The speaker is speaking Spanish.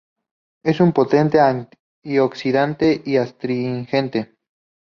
Es un potente antioxidante y astringente.